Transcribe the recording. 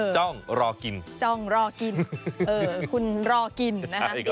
จ้องรอกินจ้องรอกินเออคุณรอกินนะฮะใช่ครับ